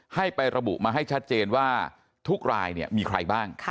ให้ไประบุมาให้ชัดเจนว่าทุกรายมีใครบ้าง